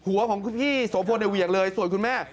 หัวของพี่โสภลเลยเวียงเลยส่วนคุณแม่